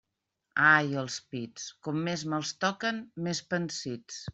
Ai els pits, com més me'ls toquen més pansits.